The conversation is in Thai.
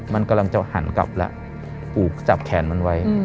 มันกำลังจะหันกลับแล้วผูกจับแขนมันไว้